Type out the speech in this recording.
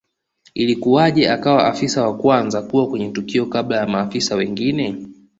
Ilikuwaje akawa Afisa wa kwanza kuwa kwenye tukio kabla ya maafisa wengine